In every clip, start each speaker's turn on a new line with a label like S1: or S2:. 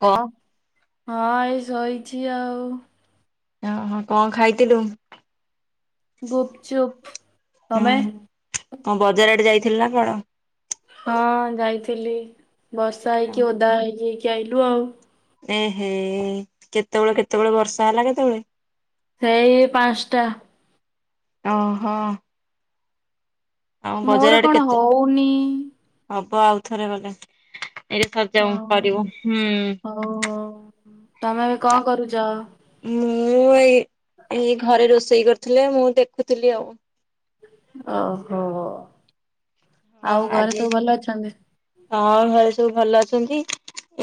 S1: କ।
S2: ହଁ। ହଁ ଏଇ ଶୋଇଛି ଆଉ।
S1: ଓ ହୋ କଣ ଖାଇଥିଲୁ? [inaudible]
S2: ଗୁପ ଚୁପ ତମେ?
S1: ହଁ ବଜାର ଆଡେ ଯାଇଥିଲ ନା କଣ?
S2: ହଁ ଯାଇଥିଲି। ବର୍ଷା ହେଇକି ଓଦା ହେଇକିି। ଯାଇଲୁ ଆଉ।
S1: ଏ ହେ କେତେବେଳେ କେତେବେଳେ ବର୍ଷା ହେଲା କେତେବେଳେ?
S2: ସେଇ ପାଞ୍ଚଟା।
S1: ଓହୋ ଆଉ
S2: ମୋର
S1: ବଜାର ଆଡେ
S2: କଣ
S1: କେତେ
S2: ହୋଉନି
S1: ହବ ଆଉ ଥରେ ଗଲେ। [inaudible] ଏଇଥର ଯାଉ
S2: ହଁ।
S1: କରିବୁ ହୁଁ।
S2: ହଉ ହଉ
S1: [inaudible]
S2: ତମେ ଏବେ କଣ କରୁଚ?
S1: ମୁଁ ଏଇ। ଏ ଘରେ ରୋସେ ରୋଷେଇ କରିଥିଲେ ମୁଁ ଦେଖୁଥିଲି ଆଉ
S2: ଓହୋ ହ। [inaudible]
S1: ହଁ
S2: ଆଉ ଘରେ
S1: ଆଜି
S2: ସବୁ ଭଲ ଅଛନ୍ତି?
S1: ହଁ ଘରେ ସବୁ ଭଲ ଅଛନ୍ତି,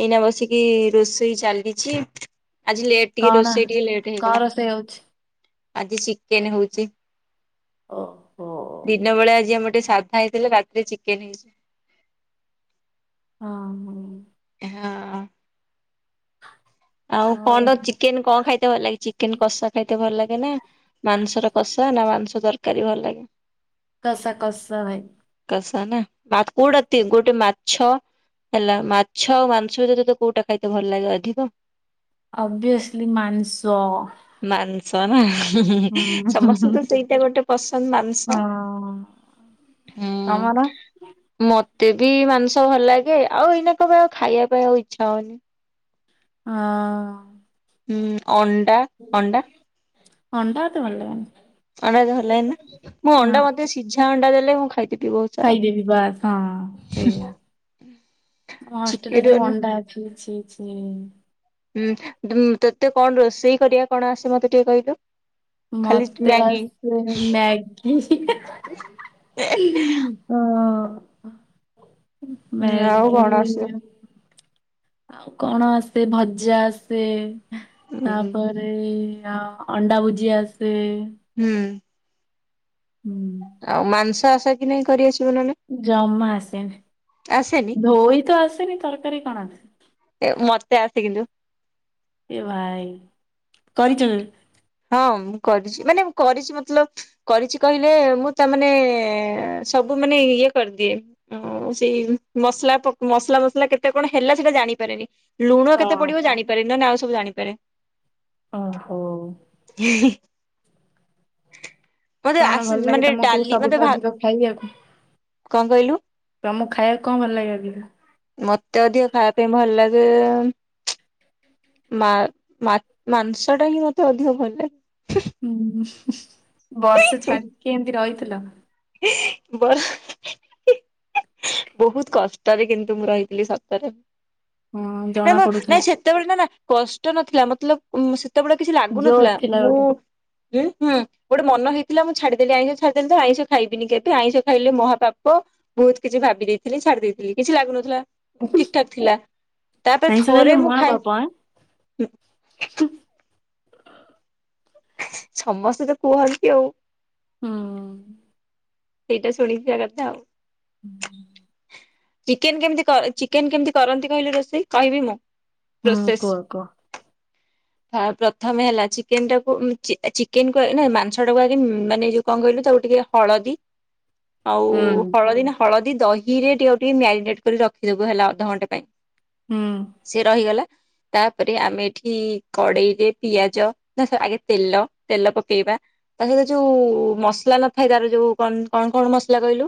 S1: ଏଇନା ବସିକି ରୋଷେଇ ଚାଲିଚି। ଆଜି ଲେଟ୍ ଟିକେ
S2: କଣ
S1: ରୋଷେଇ ଟିକେ ଲେଟ୍
S2: କଣ
S1: ହେଇଗଲା।
S2: ରୋଷେଇ ହଉଛି?
S1: [inaudible] ଆଜି ଚିକେନ ହୋଉଚି।
S2: ଓହୋ।
S1: ଦିନବେଳେ ଆଜି ଆମ ସାଧା ହେଇଥିଲେ ରା ରେ ଚିକେନ ହେଇଛି।
S2: ହଁ ହ
S1: ହଁ
S2: [unintelligible]
S1: ଆଉ କଣ ଚିକେନ କଣ ଖାଇତେ ଭଲ ଲାଗେ, ଚିକେନ କଷା ଖାଇତେ ଭଲ ଲାଗେ। ନା ମାଂସର କଷା ନା ମାଂସ? ତରକାରୀ ଭଲ ଲାଗେ ।
S2: କସା କସା ଭାଇ
S1: ନା କୋଉଟା ଗୋଟେ ମାଛ ହେଲା ମାଛ ଆଉ ମାଂସ ଭିତରେ ତତେ କୋଉଟା ଖାଇତେ ଭଲ ଲାଗେ ଅଧିକ?
S2: ଅବଭିିଅସଲି ମାଂସ
S1: ଶ ନା
S2: ହୁଁ।
S1: ସମସ୍ତେ ତ ସେଇଟା ଗୋଟେ ପସନ୍ଦ ମାଂସ
S2: ହଁ
S1: ହୁଁ
S2: ତମର?
S1: ମ ତେ ବି ମାଂସ ଭଲ ଲାଗେ ଆଉ ଏଇନା କଣ ପାଇଁ ଆଉ ଖାଇବା ପାଇଁ ଆଉ ଇଚ୍ଛା ହଉନି।
S2: ହଁ
S1: ହୁଁ ଅଣ୍ଡା ଅଣ୍ଡା
S2: ଅଣ୍ଡା ଏତେ ଭଲ ଲାଗିବନି।
S1: ଅଣ୍ଡା ଏତେ ଭଲ ଲାଗେନିନା, ମୁଁ ଅଣ୍ଡା ମତେ ସିଝା ଅଣ୍ଡା ଦେ ଲେ ମୁଁ ଖାଇ
S2: ଖାଇଦବି ବାସ୍ ହଁ ସେଇଆ ମୋ ହଷ୍ଟେଲରେ ଯେଉ
S1: ଚିକେନ
S2: ଅଣ୍ଡା ଅଛି ଛି ଛି
S1: ତତେ କଣ ରୋଷେଇ କରିବା କଣ ଆସେ ମତେ ଟିକେ କହିଲୁ? ଖାଲି
S2: ମତେ
S1: ମ୍ୟାଗି
S2: ଆସେ ମ୍ୟାଗି ହଁ ହ
S1: ହୁଁ ଆଉ କଣ ଆସିବ?
S2: ଆଉ କଣ ଆସେ ଭଜା ଆସେ
S1: ହୁଁ
S2: ତାପରେ ଅ ଅଣ୍ଡା ଭୁଜି ଆସେ
S1: ହୁଁ
S2: ହୁଁ
S1: ଆଉ ମାଂସ ଆଶେ କି ନାହିଁ କରିଆସି
S2: ଜମା ଆସେ ନି
S1: ଆସେନି
S2: ଧୋଇ ତ ଆସ ନି ତରକାରୀ କଣ ଅସିବ।
S1: ଏ ମତେ ଆସେ କିନ୍ତୁ।
S2: ଏ ଭାଇ କରିଛ ତମେ?
S1: ହଁ ମୁଁ କରିଛି ମାନେ କରିଛି ମତଲବ କରିଛି କହିଲେ ମୁଁ ତା ମାନେ ସବୁ ମାନେ ଇଏ କରିଦିଏ ସେଇ ମସଲା ମସଲା ମସଲା କେତେ କଣ ହେଲା ସେଟା ଜାଣିପାରେନି। ଲୁଣ କେତେ
S2: ହଁ
S1: ପଡିବ ଜାଣିପାରେ ନ ହେଲେ ଆଉ ସବୁ ଜାଣିପାରେ।
S2: ଓହୋ
S1: ହି
S2: କଣ ଭଲ ଲାଗେ ତମକୁ ସବୁଠୁ ଅଧିକ ଖାଇବାକୁ
S1: କଣ କହିଲୁ?
S2: ତମକୁ ଖାଇବାକୁ କଣ ଭଲ ଲାଗେ ଅଧିକା?
S1: ମତେ ଅଧିକ ଖାଇବା ପାଇଁ ଭଲ ଲାଗେ ତେ ଏ ମା ମାଛ ମାଂସ ଟା ହିଁ ମତେ ଅଧିକ ଭଲ ଲାଗେ,
S2: ହୁଁ [inaudible] ବର୍ଷେ ଛାଡିକି ଏମିତି ରହିଛି ଥିଲା
S1: ବ ବହୁତ କଷ୍ଟରେ କିନ୍ତୁ ମୁଁ ରହିଥିଲି ସତରେ।
S2: ହଁ
S1: ନା
S2: ଜଣା ପଡୁଥିଲା।
S1: ନାଇଁ ସେତେବେଳେ ନା ନା କଷ୍ଟ ନଥିଲା ମତେ ଲବ ଉମ କେତେବେଳେ କିଛି
S2: ଜୋସ୍
S1: ଲାଗୁନଥିଲା
S2: ଥିଲା
S1: ମୁଁ
S2: ଗୋଟେ।
S1: ହୁଁ ଗୋଟେ ମନ ହେଇ ଥିଲା ମୁଁ ଛାଡିଦେଲି ଆଇଁସ ଛାଡିଦେଲି ତ ଆଇଁସ ଖାଇବିନି କେବେ ଆଇଁଷ ଖାଇଲେ ମହାପାପ ବହୁତ କିଛି ଭାବି ଦେଇଥିଲି ଛାଡି ଦେଇେଇଥିଲି କିଛି ଲାଗୁନଥିଲା। ଠିକ ଠାକ ଥିଲା ତାପରେ
S2: ଆଇଁଷ ଖାଇଲେ
S1: ଥରେ ମୁଁ ଖାଇ
S2: ମହାପାପ ଆଁ।
S1: ହୁଁ। ସମସ୍ତେ ତ କୁହନ୍ତି ଆଉ।
S2: ହୁଁ।
S1: ସେଇଟା ଶୁଣିଥିବା କଥା ଆଉ।
S2: [inaudible]
S1: ଚିକେନ କେମତି କର ଚିକେନ କେମିତି କରନ୍ତି କହିଲ ରୋଷେଇ କହିବି ମୁଁ?
S2: ହୁଁ
S1: ପ୍ରୋସେସ୍।
S2: କୁହ କୁହ।
S1: ପ୍ରଥମେ ହେଲା ଚିକେନ ଟାକୁ ଉଁ ଚିକ୍ ଚିକେନ କୁ ନା ମାଂସ ଟାକୁ ଆଗ ମାନେ ଯୋଉ କଣ କହିଲୁ ତାକୁ ଟିକେ ହଳଦୀ ଆଉ
S2: ହୁଁ
S1: ହଳଦି ନା ହଳଦୀ ଦହିରେ ଟିକେ ଆଉ ଟିକେ ମ୍ୟାରିନେଟ କରି ରଖିଦବୁ ହେଲା ଅଧଘଣ୍ଟା ପାଇଁ।
S2: ହୁଁ
S1: ସିଏ ରହିଗଲା। ତାପରେ ଆମେ ଏଠି କଡେଇରେ ପିଆଜ ନାନା ଆଗେ ତେଲ ତେଲ ପକେଇବା ତା ସହିତ ଯୋଉ ମସଲା ନଥାଏ ତାର ଯୋଉ କଣ କଣ ମସଲା କହିଲୁ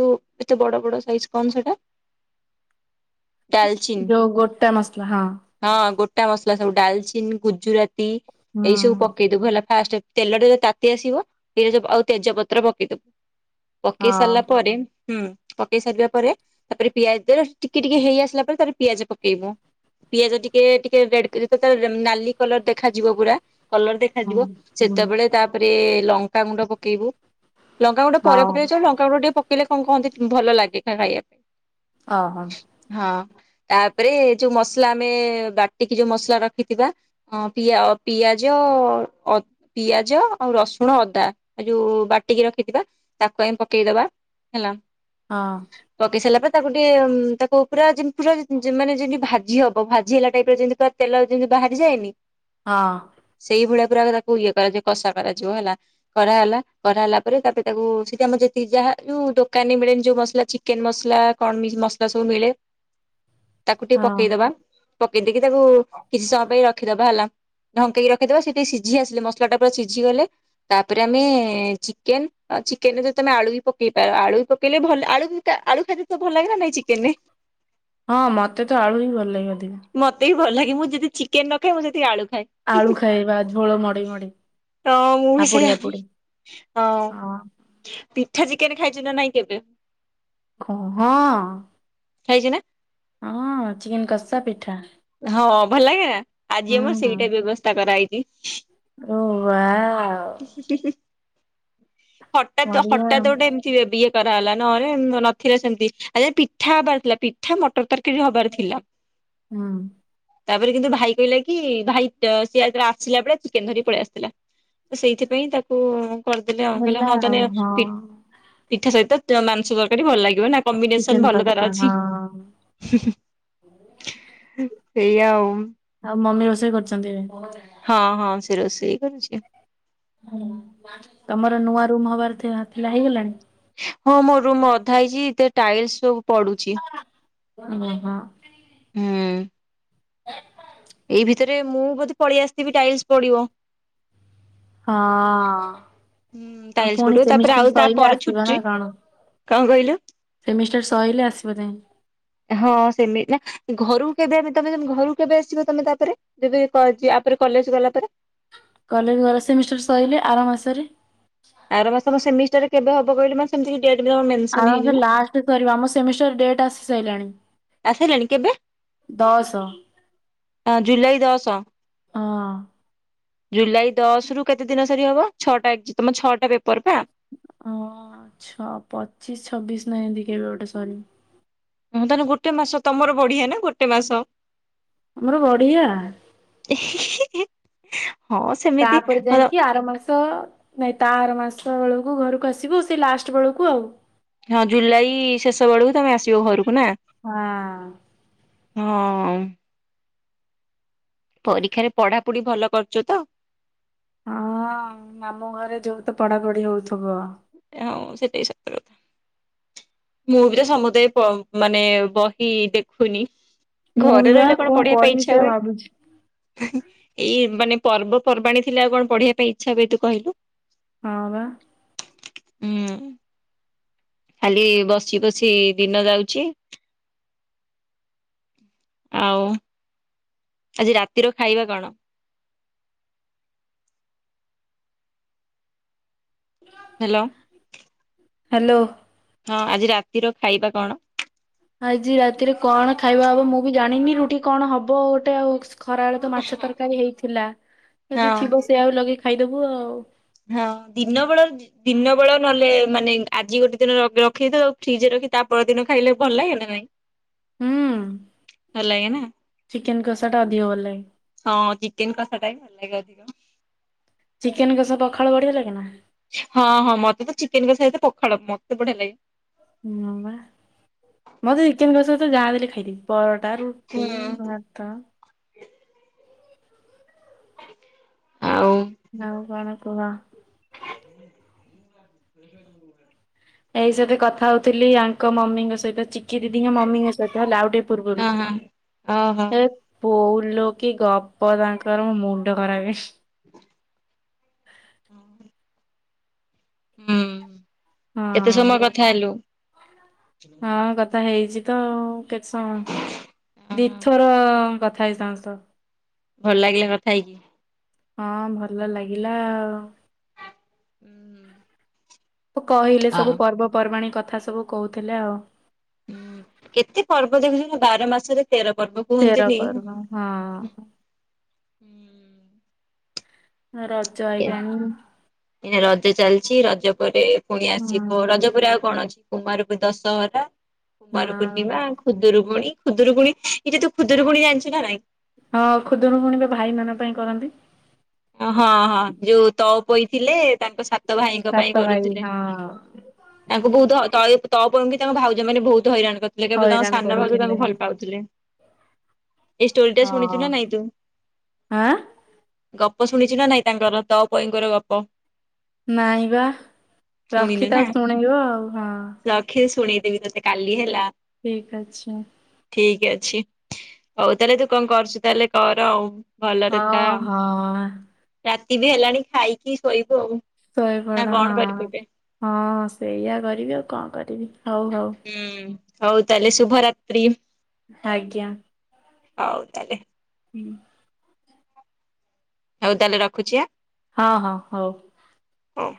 S1: ଯୋଉ ଏତେ ବଡ ବଡ ସାଇଜ କଣ ସେଟା? ଡାଲଚିନି
S2: ଯୋଉ ଗୋଟା ମସଲା ହଁ।
S1: ହଁ ଗୋଟା ମସଲା ସବୁ ଡାଲଚିନ୍ ଗୁଜୁରାତ୍ ଡି
S2: ହୁଁ
S1: ଏଇ ସବୁ ପକେଇଦବୁ ହେଲା। ଫାଷ୍ଟେ ତେଲ ଟିକେ ଯଦି ତାତି ଆସିବ ପିଆଜ ଆଉ ତେଜପତ୍ର ପତ୍ର ପକେଇଦବୁ। ପକେଇ
S2: ହଁ।
S1: ସାରିଲା ପରେ ହୁଁ ପକେଇ ସାରିଲା ପରେ ତାପରେ ପିଆଜ ଦିହରେ ଟିକେ ଟିକେ ହେଇ ଆସିଲା ପରେ ତାପରେ ପିଆଜ ପକେଇବୁ ପିଆଜ ଟିକେ ଟିକେ ରେଡ ଯେତେବେଳେ ତାର ନାଲି କଲର ଦେଖାଯିବ ପୁରା। କଲର
S2: ହୁଁ
S1: ଦେଖାଯିବ
S2: ହୁଁ
S1: ସେତେବେଳେ ତାପରେ ଲଙ୍କାାଗୁଣ୍ଡ ପକେଇବୁ ଲଙ୍କାଗୁଣ୍ଡ ପରେ
S2: ହଉ
S1: ପକେଇଲେ ଚଳିବ ଲଙ୍କା ଗୁଣ୍ଡ ଟିକେ। ପକେଇଲେ କଣ କହନ୍ତି ଭଲ ଲାଗେ ଖ ଖାଇବାକୁ
S2: ଓହୋ ହଁ
S1: ହଁ ତାପରେ ଯୋଉ ମସଲା ଆମେ ବାଟିକି ଯୋଉ ମସଲା ରଖିଥିବା ହଁ ପିଆ ପିଆଜ ଅଦ୍ ପିଆଜ ଆଉ ରସୁଣ ଅଦା ଆଉ ଯୋଉ ବାଟିକି ରଖିଥିବା ତାକୁ ଆମେ ପକେଇଦବା ହେଲା। ପକେଇସାଇଲା ପରେ ତାକୁ ଟିକେ ଉଁ ତାକୁ ପୁରା ଯେମତି ପୁରା ମାନେ ଯେମିତି ଭାଜି ହବ ଭାଜି ହେଲା ଟାଇପ ରେ ଯେମିତି ପୁରା ତେଲ ଯେମିତି ବାହାରିଯାଏନି।
S2: ହଁ
S1: ପୁରା ତାକୁ ଇଏ କରାଯିବ କଷା କରାଯିବ ହେଲା କରାହେଲା କରାହେଲା ପରେ ତାପରେ ତାକୁ ସେଠି ଆମ ଯେତିକି ଯାହା ଯୋଉ ଦୋକାନରେ ମିଳେନି ଯୋଉ ମସଲା ଚିକେନ ମସଲା କଣ ମିଟ୍ ମସଲା ସବୁ ମିଳେ ମିଳେ ତାକୁ ଟିକେ
S2: ହଁ।
S1: ପକେଇଦବା ପକେଇ ଦେଇକି ତାକୁ କିଛି ସମୟ ପାଇଁ ରଖିଦବା ହେଲା ଢଙ୍କେଇକି ରଖିଦବା ସେ ଟିକିଏ ସିଝି ଆସିଲେ ମସଲା ଟା ପୁରା ସିଝି ଗଲେ ତାପରେ ଆମେ ଚିକେନ ଚିକେନ ରେ ଯଦି ତମେ ଆଳୁ ବି ପକେଇ ପାର ଆଳୁ ବି ପକେଇଲେ ଭଲ ଆଳୁ ଭତା ଆଳୁ ଖାଇତେ ଭଲ ଲାଗେ ନାଁ ନାଇଁ ଚିକେନ ରେ
S2: ହଁ ମତେ ତ ଆଳୁ ହିଁ ଭଲ ଲାଗେନି
S1: ମତେ ଭଲ ଲାଗ ମୁଁ ଯଦି ଚିକେନ ନଖାଏ ମୁ ସେତିକି ଆଳୁ
S2: ଆଳୁ
S1: ଖାଏ
S2: ଖାଇବା ଝୋଳ ମଡେଇ ମଡେଇ
S1: ତ ମୁ ବି
S2: ହାପୁଡି ହାପୁଡି
S1: ସେୟା ହ
S2: ହଁ
S1: ପିଠା ଯେ ଚିକେନ ଖାଇଛି ନା ନାଇଁ କେବେ?
S2: ହଁ ହଁ
S1: ଖାଇଛୁ ନା
S2: ହଁ ଚିକନ୍ କ ସ ପିଠା
S1: ହଁ ଭଲ ଲାଗେନା? ଆଜି
S2: ହୁଁ
S1: ଆମର
S2: ହୁଁ
S1: ସେଇଟା ବ୍ୟବସ୍ଥା କରାହଇଛି।
S2: ଓ ୱାଓ
S1: କି ହୁଁ ହୁଁ ହୁଁ ହୁଁ। ହଠାତ
S2: ବଢିଆ
S1: ହଠାତ ଗୋଟେ ଏମିତି କରାହେଲା ନହେଲେ ନଥିଲା ସେମିତି ଆ ପିଠା ହେବାର ଥିଲା ପିଠା ମଟର ତର
S2: ହଁ।
S1: ତାପରେ କିନ୍ତୁ ଭାଇ କହିଲା କି ଭାଇ ସିଏ ଆସିଲା ବେଳେ ଚିକେନ୍ ଧରି ପଳେଇ ଆସିଥିଲା ତ ସେଇଥିପାଇଁ ତାକୁ କରିଦେଲେ ଆ କହିଲେ
S2: ହେଲା
S1: ହଁ
S2: ଆଉ
S1: ତାହାଲେ
S2: ହଁ।
S1: ପିଠା ସହିତ ମାଂସ ତରକାରୀ ଭଲ ଲାଗିବ ନା କମ୍ବିନେସନ
S2: ଚିକେନ
S1: ଭଲ କର
S2: କଷା
S1: ଅଛି।
S2: ହଁ
S1: ସେଇଆଉ।
S2: ଆଉ ମମି ରୋଷେଇ କରିଛନ୍ତି ଏବେ
S1: ହଁ ହଁ। ସେ ରୋଷେଇ କରୁଛି।
S2: ତମର ନୂଆ ରୁମ୍ ହବାର ଥିବା ଥିଲା ହେଇଗଲାଣି।
S1: ହଁ ମୋ ରୁମ ଅଧା ହେଇଛି ଏତ ଟାଇଲ୍ସ ସ ପଡୁଛି
S2: ହଁ
S1: ହୁଁ। ହଁ।
S2: ହ [inaudible]
S1: ଏଇ ଭିତରେ ମୁଁ ବୋଧେ ପଳେଇ ଆସିଥିବି ଟାଇଲସ ପଡିବ।
S2: ହଁ।
S1: ହୁଁ ଟାଇଲ୍ସ ପଡିବ ତାପରେ ଆଉ ତାପ
S2: ଆସିବ ନା
S1: ଛୁଟି
S2: କଣ?
S1: କଣ କହିଲ
S2: ସେମିଷ୍ଟାର ସଇଲେ ଆସିବ ଯାଇଁ
S1: ହଁ ସେମିତି ନା ଘରୁ କେବେ ଆମ ତମେ ଘରକୁ କେବେ ଆସିବ ତମେ ତାପରେ ଯବେପରେ କଲେଜ ଗଲା ପରେ।
S2: କଲେଜ ଗ ସେମିଷ୍ଟର ସରିଲେ ଆର ମାସରେ।
S1: ଆର ମାସ ସେମିଷ୍ଟ ରେ କେବେ ହବ? ବଗ ସେମ
S2: ଆମର ବୋଧେ ଲାଷ୍ଟ ସରିବ। ଆମ ସେମିଷ୍ଟର ଡେଟ ଆସି ସାଇଲାଣି।
S1: ଆସାଇଲାଣି କେବେ?
S2: ଦଶ
S1: ଅଁ ଜୁଲାଇ ଦଶ
S2: ହଁ।
S1: । ଜୁଲାଇ ଦଶରୁ କେତେ ଦିନ ସାରି ହବ ଛଅଟା ଏଗ୍ଜ ତମ ଛଅଟା ପେପର ପା?
S2: ଅ ଛ ପଚିଶ ଛବିଶ ନାଁ ଏନ୍ତି କେବେ ଗୋଟେ ସରି।
S1: ହଁ ତାନେ ଗୋଟେ ମାସ ତମର ବଢିଆ ନାଁ ଗୋଟେ ମାସ।
S2: ଆମର ବଢ଼ିଆ।
S1: ହଁ ସେମିତି
S2: ତାପରେ
S1: ହଁ
S2: ଯାଇଁକି ଆର ମାସ ତ ନାଇଁ ତା ଆର ମାସ ବେଳୁକୁ ଘରକୁ ଆସିବ ସେଇ ଲାଷ୍ଟ ବେଳକୁ ଆଉ।
S1: ହଁ ଜୁଲାଇ ଶେଷ ବେଳୁକୁ ତମେ ଆସିବ ଗୋରୁକୁ ନାଁ?
S2: ହଁ।
S1: ହଁ। ପରୀକ୍ଷାରେ ପଢ଼ାପୁଢ଼ି ଭଲ କରୁଚୁ ତ?
S2: ହଁ ମାମୁଁ ଘରେ ଯୋଉ ତ ପଢ଼ାପୁଢ଼ି ହୋଉଥୁବ।
S1: ଟା ଉଁ ସେଟା ବି ସତ କଥା । ମୁଁ ବି ତ ସମୁଦେ ପ ମାନେ ବହି ଦେଖୁନି।
S2: ମୁଁ
S1: ଘରେ
S2: ବି ବା
S1: ରହିଲେ
S2: କଣ
S1: ପଢିବା ପାଇଁ
S2: କରିବି
S1: ଇଚ୍ଛା
S2: ସେୟା
S1: ହୁଏ।
S2: ଭାବୁଚି।
S1: ଏଇ ମାନେ ପର୍ବପର୍ବାଣୀ ଥିଲେ ଆଉ କଣ ପଢିବା ପାଇଁ ଇଚ୍ଛା ହୁଏ ତୁ କହିଲୁ?
S2: ହଁ ବା।
S1: ଉଁ। ଖାଲି ବସି ବସି ଦିନ ଯାଉଚି। ଆଉ ଆଜି ରାତିର ଖାଇବା କଣ? ହ୍ୟାଲୋ।
S2: ହ୍ୟାଲୋ।
S1: ହଁ ଆଜି ରାତିର ଖାଇବା କଣ?
S2: ଆଜି ରାତିରେ କଣ ଖାଇବା ହବ ମୁଁ ବି ଜାଣିନି ରୁଟି କଣ ହବ ଗୋଟେ ଆଉ ଏକ୍ସ୍ ଖରାଏଳେ ତ ମାଛ ତରକାରୀ ହେଇଥିଲା
S1: ହଁ
S2: ଯଦି ଥିବ ସେଇଆଉ ଲଗେଇ ଖାଇଦବୁ ଆଉ।
S1: ହଁ ଦିନ ବେଳ ଦିନ ବେଳ ନହେଲେ ମାନେ ଆଜି ଗୋଟେ ଦିନ ର ରଖିଥାଉ ଫ୍ରିଜରେ ରଖି ତା ପରଦିନ ଖାଇଲେ ଭଲ ଲାଗେ ନା ନାଇଁ?
S2: ହୁଁ।
S1: ଭଲ ଲାଗେ ନାଁ?
S2: ଚିକେନ କଷା ଟା ଅଧିକ ଭଲ ଲାଗେ।
S1: ହଁ ଚିକେନ କଷାଟା ଲାଗେ ଅଧିକ।
S2: ଚିକେନ କସା ପଖାଳ ବଢ଼ିଆ ଲାଗେନା।
S1: ହଁ ହଁ ମତେ ତ ଚିକେନ କସା ସହିତ ପଖାଳ ମତେ ବଢ଼ିଆ ଲାଗେ।
S2: ହଁ ପା ମତେ ଚିକେନ୍ କସା ସହିତ ଯାହା ଦେଲେ ଖାଇଦେବି ପରଟା ରୁଟି
S1: ହୁଁ
S2: ଭାତ।
S1: [unintelligible]
S2: ଆଉ କଣ? କୁହ।
S1: [inaudible]
S2: ଏଇ ସହିତ କଥା ହଉଥିଲି ଆଙ୍କ ମମିଙ୍କ ସହିତ ଚି କି ଦିଦି ମମିଙ୍କ ସହିତ ହେଲା ଆଉ ଟିକେ ପର୍ବରୁ
S1: ହଁ ହଁ ଓହୋ
S2: ଏ ବୋଉ ଲୋ କି ଗପ ତାଙ୍କର ମୁଣ୍ଡ ଖରାପ।
S1: [inaudible] ହଁ [inaudible] ହୁଁ। କେତେ
S2: ହଁ
S1: ସମୟ କଥା ହେଲୁ?
S2: ହଁ କଥା ହେଇଛି। ତ ଆଉ କେତେ ସମୟ
S1: ଅହ
S2: ଦିଥର କଥା ହେଇ ସମସ୍ତ
S1: ଭଲ ଲାଗିଲା କଥା ହେଇକି।
S2: ହଁ ଭଲ ଲାଗିଲା ଆଉ।
S1: ହୁଁ [inaudible]
S2: କହିଲେ ସବୁ ପର୍ବପର୍ବାଣୀ କଥା। କଥା ସବୁ କହୁଥିଲେ ଆଉ।
S1: ହୁଁ କେତେ ପର୍ବ ଦେଖୁଛନ୍ତି ବାର ମାସରେ ତେର ପର୍ବ
S2: ତେର
S1: କୁହନ୍ତିନି।
S2: ପର୍ବ ହଁ। ରଜ ଆଇଲାଣି।
S1: ଏ ରଜ ଚାଲିଛି ରଜ ପରେ। ପୁଣି ଆସିବ
S2: ହଁ।
S1: ରଜପରେ ଆଉ କଣ ଅଛି? କୁମାରକୁ ଦଶହରା କୁମାର ପୂର୍ଣ୍ଣିମା ଖୁଦରୁ କୁଣି ଖୁଦରୁୁକୁଣି ଏଇଜେ ତୁ ଖୁଦୁରୁ ପୁଣି ଜଣିଛୁ ନା ନାଇଁ।
S2: ହଁ ଖୁଦୁରୁ କୁଣି ଭାଇ ମାନଙ୍କ ପାଇଁ କରନ୍ତି।
S1: ହଁ ହଁ ହଁ ଯୋଉ ତଅପୋଇ ଥିଲେ ତାଙ୍କ ସାଥି ତ ଭାଇଙ୍କ ପାଇଁ
S2: ସାତ ଭାଇ
S1: କରୁଥିଲେ
S2: ହଁ
S1: ତାଙ୍କୁ ବହୁତ ତଳେ ତପୋଇକି ତାଙ୍କ ଭାଉଜ ମାନେ ବହୁତ ହଇରାଣ କେବଳ ତାଙ୍କ
S2: ହଇରାଣ
S1: ସାନ ଭାଉଜ
S2: କରୁଥିଲେ
S1: ତାଙ୍କୁ ଭଲ ପାଉଥିଲେ ଏ ଷ୍ଟୋରି ଟା ଶୁଣିଛୁ
S2: ହଁ।
S1: ନା ନାଇଁ ତୁ?
S2: ଆଁ
S1: ଗପ ଶୁଣିଛୁ ନା ନାଇଁ ତାଙ୍କର ତଅପୋଇଙ୍କର ଗପ?
S2: ନାଇଁ ବା
S1: ଶୁଣିନୁ
S2: ରଖି
S1: ନା?
S2: ତାକୁ ଶୁଣେଇବ ଆଉ ହଁ।
S1: ବି ତତେ କାଲି ହେଲା।
S2: ଠିକ ଅଛି।
S1: ଠିକ ଅଛି ହଉ ତାହେଲେ ତୁ କଣ କରୁଛୁ ତାହେଲେ କର ଆଉ। ଭଲରେ
S2: ହଁ
S1: ଥା।
S2: ହଁ।
S1: ରାତି ବି ହେଲାଣି ଖାଇକି ଶୋଇବୁ ଆଉ। ନା
S2: ଶୋଇପଡ
S1: କଣ
S2: ହଁ
S1: କରିବୁ ଏବେ?
S2: ହଁ ସେଇଆ କରିବି ଆଉ କଣ କରିବି। ହଉ ହଉ
S1: ହୁଁ ହଉ। ତାହଲେ ଶୁଭରାତି।
S2: ଆଜ୍ଞା।
S1: ହଉ ତାଲେ।
S2: ହୁଁ
S1: ହଉ ତାହେଲେ ରଖୁଛିଆ?
S2: ହଁ ହଁ ହଉ।
S1: ହଁ